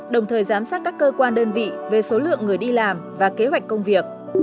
để giám sát các cơ quan đơn vị về số lượng người đi làm và kế hoạch công việc